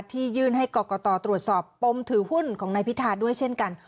ยื่นให้กรกตตรวจสอบปมถือหุ้นของนายพิธาด้วยเช่นกัน